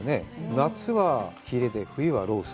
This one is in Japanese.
夏はヒレで冬はロース。